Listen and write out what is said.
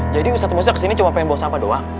jadi ustadz masih kesini cuma pengen bawa sampah doang